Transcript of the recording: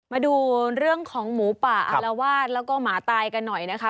มาดูเรื่องของหมูป่าอารวาสแล้วก็หมาตายกันหน่อยนะคะ